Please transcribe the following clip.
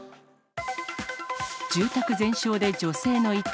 住宅全焼で女性の遺体。